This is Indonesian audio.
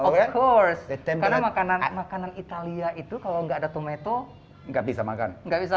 tentu saja karena makanan italia itu kalau tidak ada tomat tidak bisa dimakan